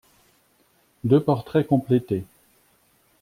Deux portraits complétés